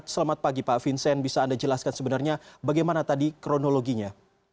selamat pagi pak vincent bisa anda jelaskan sebenarnya bagaimana tadi kronologinya